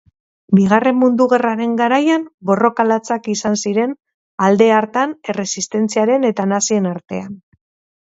Bigarren Mundu Gerraren garaian, borroka latzak izan ziren alde hartan erresistentziaren eta nazien artean